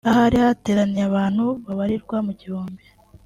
ahari hateraniye abantu babarirwa mu gihumbi